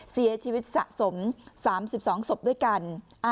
เสียชีวิตสะสม๓๒ศพด้วยกัน